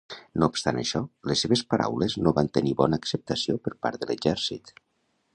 No obstant això, les seves paraules no van tenir bona acceptació per part de l'exèrcit.